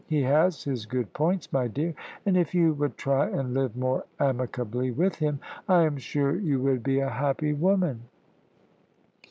He has his good points, my dear, and if you would try and live more amicably with him, I am sure you would be a happy woman.